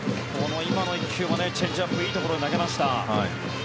今の１球はチェンジアップいいところに投げました。